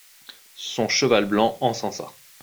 Son cheval blanc encensa.